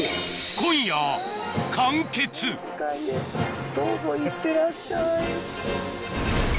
今夜どうぞいってらっしゃい。